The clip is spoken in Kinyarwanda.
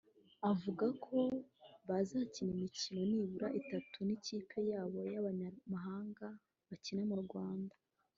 avuga ko bazakina imikino nibura itatu n’ikipe y’abo banyamahanga bakina mu Rwanda